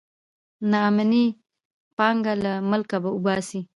نا امني پانګه له ملکه وباسي.